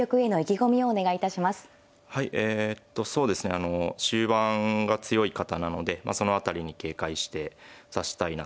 あの終盤が強い方なのでその辺りに警戒して指したいなと思ってます。